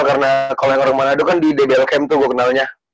karena kalau yang orang manado kan di dbl camp tuh gue kenalnya